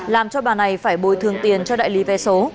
làm cho bà này phải bồi thường tiền cho đại lý vé số